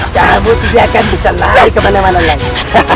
kamu tidak akan bisa lari kemana mana lagi